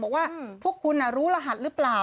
บอกว่าพวกคุณรู้รหัสหรือเปล่า